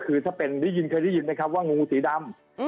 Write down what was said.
คือถ้ารียินเลยครับว่างูสีดำ